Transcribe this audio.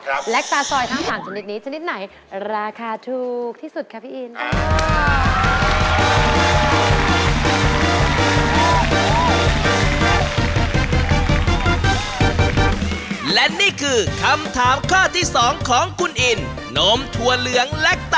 และตาซอยทั้ง๓ชนิดนี้ชนิดไหนราคาถูกที่สุดคะพี่อิน